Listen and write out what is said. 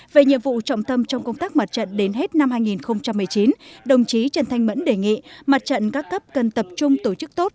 về nhiệm vụ trọng tâm trong công tác mặt trận đến hết năm hai nghìn một mươi chín đồng chí trần thanh mẫn đề nghị mặt trận các cấp cần tập trung tổ chức tốt